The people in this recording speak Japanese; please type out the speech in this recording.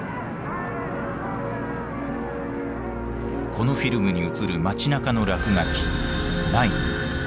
このフィルムに映る街なかの落書き「ＮＥＩＮ」。